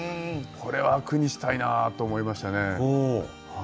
これは句にしたいなと思いましたね。